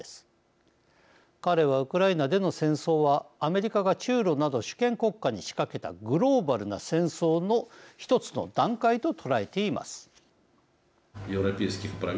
彼はウクライナでの戦争はアメリカが中ロなど主権国家に仕掛けたグローバルな戦争の一つの段階と捉えています。